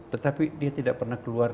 tetapi dia tidak pernah keluar